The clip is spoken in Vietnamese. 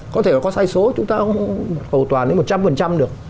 có thể có sai số chúng ta không cầu toàn đến một trăm linh được